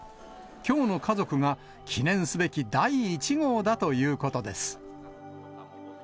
きょうの家族が、記念すべき第１号だということです。